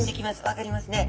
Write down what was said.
分かりますね。